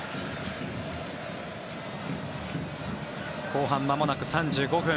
後半まもなく３５分。